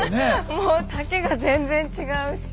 もう丈が全然違うし。